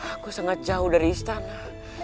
aku sangat jauh dari istana